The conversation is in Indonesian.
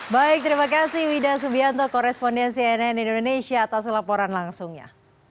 baik terima kasih wida subianto korespondensi nn indonesia atas laporan langsungnya